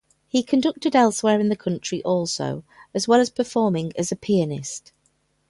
He conducted elsewhere in the country also, as well as performing as a pianist.